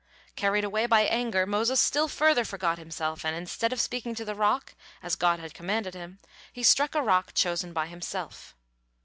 Carried away by anger, Moses still further forgot himself, and instead of speaking to the rock as God had commanded him, he struck a rock chosen by himself.